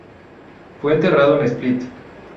Fue enterrado en Split.